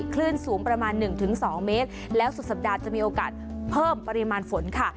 คลื่นสูงประมาณหนึ่งถึงสองเมตรแล้วสุดสัปดาห์จะมีโอกาสเพิ่มปริมาณฝนค่ะ